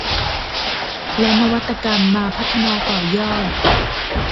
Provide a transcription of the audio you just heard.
และนวัตกรรมมาพัฒนาต่อยอด